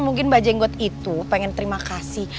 mungkin mba jengot itu pengen terima kasih